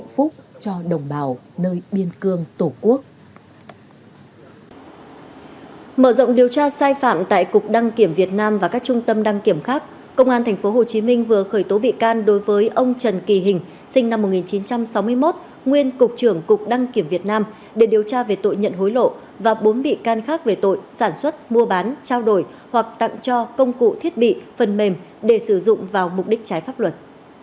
phạm tại cục đăng kiểm việt nam và các trung tâm đăng kiểm khác công an tp hcm vừa khởi tố bị can đối với ông trần kỳ hình sinh năm một nghìn chín trăm sáu mươi một nguyên cục trưởng cục đăng kiểm việt nam để điều tra về tội nhận hối lộ và bốn bị can khác về tội sản xuất mua bán trao đổi hoặc tặng cho công cụ thiết bị phần mềm để sử dụng vào mục đích trái pháp luật